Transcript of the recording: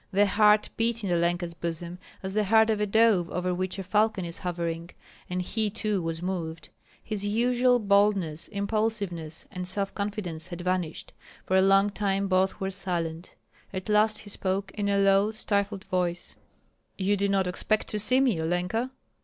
The heart beat in Olenka's bosom as the heart of a dove over which a falcon is hovering, and he too was moved. His usual boldness, impulsiveness, and self confidence had vanished. For a long time both were silent. At last he spoke in a low, stifled voice, "You did not expect to see me, Olenka?"